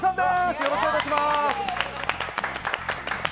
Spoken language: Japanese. よろしくお願いします。